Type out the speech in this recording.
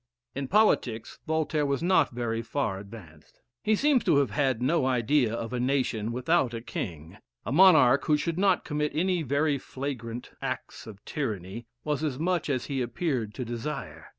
In politics, Voltaire was not very far advanced. He seems to have had no idea of a nation without a king. A monarch who should not commit any very flagrant acts of tyranny, was as much as he appeared to desire.